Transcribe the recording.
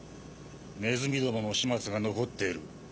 ネズミどもの始末が残っている。